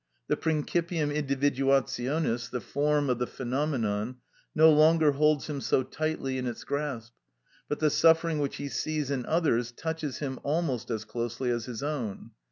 The principium individuationis, the form of the phenomenon, no longer holds him so tightly in its grasp, but the suffering which he sees in others touches him almost as closely as his own.